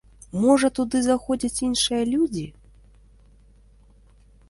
Можа, туды заходзяць іншыя людзі?